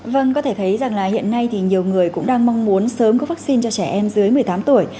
vâng có thể thấy rằng là hiện nay thì nhiều người cũng đang mong muốn sớm có vaccine cho trẻ em dưới một mươi tám tuổi